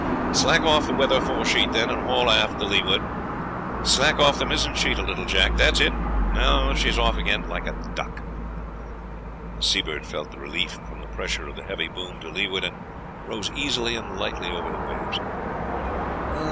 "Slack off the weather foresheet, then, and haul aft the leeward. Slack out the mizzen sheet a little, Jack. That's it; now she's off again, like a duck." The Seabird felt the relief from the pressure of the heavy boom to leeward and rose easily and lightly over the waves.